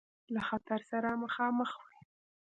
له خطر سره مخامخ وي.